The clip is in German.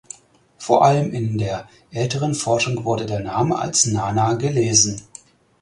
Vor allem in der älteren Forschung wurde der Name als Nana gelesen.